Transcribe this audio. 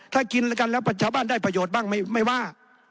ถ้ากินแล้วกันแล้วชาวบ้านได้ประโยชน์บ้างไม่ว่า